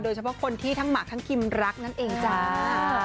เฉพาะคนที่ทั้งหมากทั้งคิมรักนั่นเองจ้า